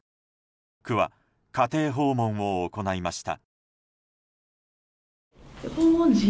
区は家庭訪問を行いました。